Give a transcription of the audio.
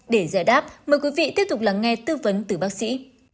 để giải đáp mời quý vị tiếp tục lắng nghe tư vấn từ bác sĩ